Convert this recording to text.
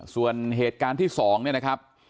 ส่วนเหตุการณ์ที่๒เนี่ยนะครับ